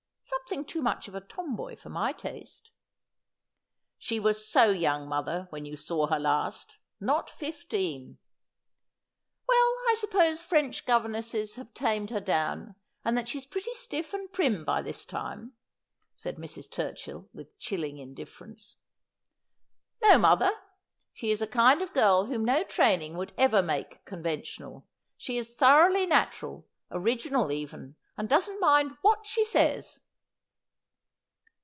Something too much of a tomboy for my taste.' ' She was so young, mother, when you saw her last, not fifteen.' ' Well, I suppose French governesses have tamed her down, and that she's pretty stiff and prim by this time,' said Mrs. Turchill with chilling indifference. ' No, mother, she is a kind of girl whom no training would ever make conventional. She is thoroughly natural, original even, and doesn't mind what she says.'